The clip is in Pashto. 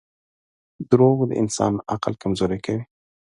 • دروغ د انسان عقل کمزوری کوي.